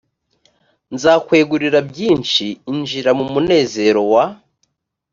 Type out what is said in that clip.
nzakwegurira byinshi injira mu munezero wa